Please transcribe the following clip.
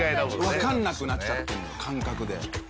わかんなくなっちゃってるのよ感覚で。